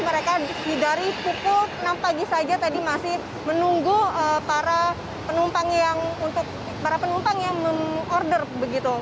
mereka dari pukul enam pagi saja tadi masih menunggu para penumpang yang order begitu